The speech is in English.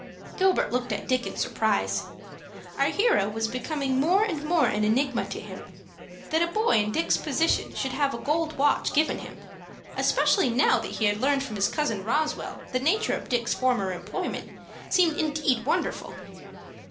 Gilbert looked at Dick in surprise. Our hero was becoming more and more an enigma to him. That a boy in Dick's position should have a gold watch given him, especially now that he had learned from his cousin Roswell the nature of Dick's former employment, seemed indeed wonderful.